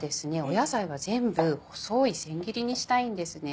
野菜は全部細いせん切りにしたいんですね。